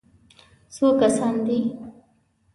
_څو کسان دي؟